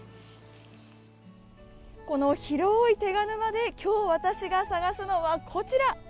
この広い手賀沼で今日、私が探すのは、こちら！